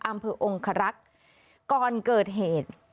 อำเภอองครักษ์ก่อนเกิดเหตุ